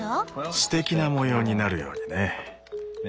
すてきな模様になるようにね。